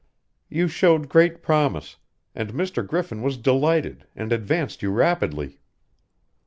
"You showed great promise, and Mr. Griffin was delighted and advanced you rapidly.